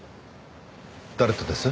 誰とです？